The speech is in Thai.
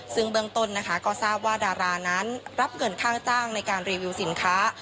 ซึ่งเบื้องต้นนะคะก็ทราบว่าดารานั้นรับเงินค่าจ้างในการรีวิวสินค้า